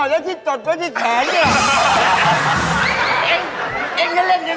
เอ้าแล้วที่จดก็ที่แขน